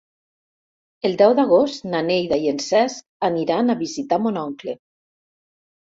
El deu d'agost na Neida i en Cesc aniran a visitar mon oncle.